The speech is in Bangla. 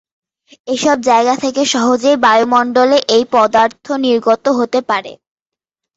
এসব জায়গা থেকে সহজেই বায়ুমন্ডলে এই পদার্থ নির্গত হতে পারে।